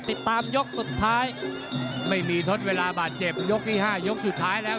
ติดตามยกสุดท้ายไม่มีทดเวลาบาดเจ็บยกที่ห้ายกสุดท้ายแล้ว